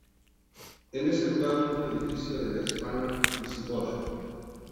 En este lugar hubo un edificio de la Hispania visigoda.